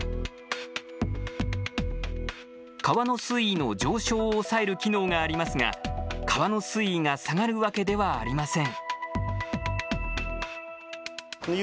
川の水位の上昇を抑える機能がありますが、川の水位が下がるわけではありません。